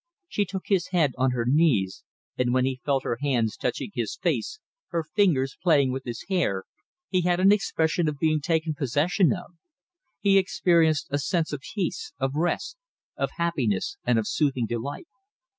She took his head on her knees, and when he felt her hands touching his face, her fingers playing with his hair, he had an expression of being taken possession of; he experienced a sense of peace, of rest, of happiness, and of soothing delight.